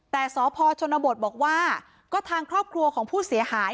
แต่สพชนบทบอกว่าก็ทางครอบครัวของผู้เสียหาย